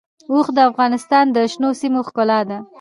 اوښ د افغانستان د شنو سیمو ښکلا ده.